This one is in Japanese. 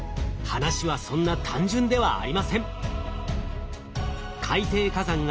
話はそんな単純ではありません。